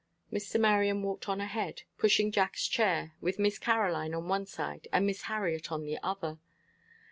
Mr. Marion walked on ahead, pushing Jack's chair, with Miss Caroline on one side, and Miss Harriet on the other.